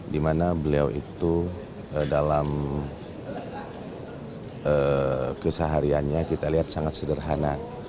dimana beliau itu dalam kesehariannya kita lihat sangat sederhana